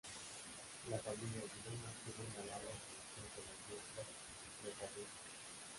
La familia Girona tuvo una larga relación con la industria metalúrgica.